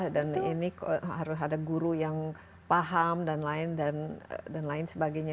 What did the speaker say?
dan ini harus ada guru yang paham dan lain sebagainya